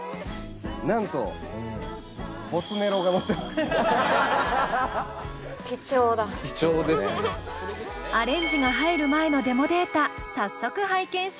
なんとアレンジが入る前のデモデータ早速拝見しましょう。